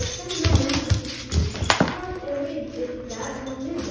all same no make pussin sleep. Not ebry bit dat, more lib da!